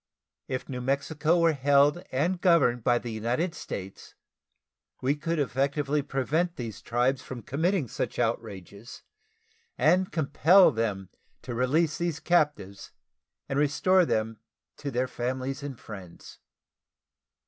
If New Mexico were held and governed by the United States, we could effectually prevent these tribes from committing such outrages, and compel them to release these captives and restore them to their families and friends.